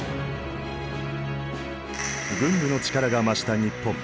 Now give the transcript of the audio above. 軍部の力が増した日本。